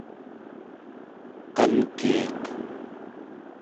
kankiiq